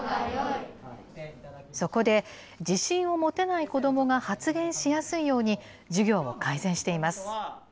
そこで、自信を持てない子どもが発言しやすいように授業を改善しています。